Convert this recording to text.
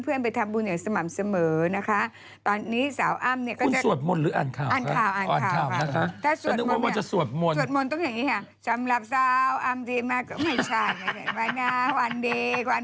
เอาเข่าอ้ำหน่อย